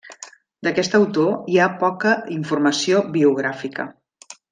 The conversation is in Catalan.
D'aquest autor hi ha poca informació biogràfica.